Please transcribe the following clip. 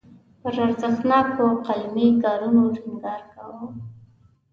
پر ارزښتناکو قلمي کارونو ټینګار کاوه.